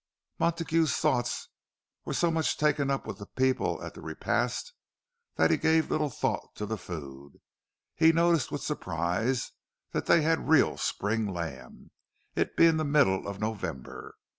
Montague's thoughts were so much taken up with the people at this repast that he gave little thought to the food. He noticed with surprise that they had real spring lamb—it being the middle of November.